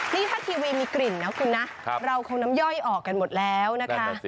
นี่ถ้าทีวีมีกลิ่นนะคุณนะเราคงน้ำย่อยออกกันหมดแล้วนะคะ